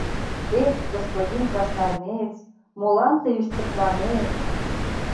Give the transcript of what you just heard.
Эх, господин красноармеец, молан тый ӱскыртланет?